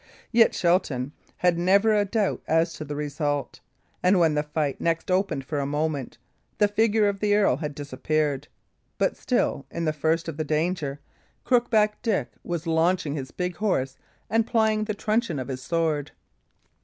Yet Shelton had never a doubt of the result; and when the fight next opened for a moment, the figure of the earl had disappeared; but still, in the first of the danger, Crookback Dick was launching his big horse and plying the truncheon of his sword.